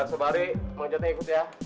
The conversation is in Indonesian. ngga sebari manjatnya ikut ya